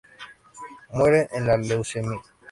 Muere de leucemia.